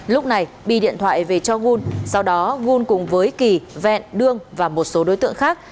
lúc này bị điện thoại về cho nguồn sau đó nguồn cùng với kỳ vẹn đương và một số đối tượng khác